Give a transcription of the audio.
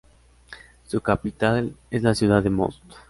Su capital es la ciudad de Most.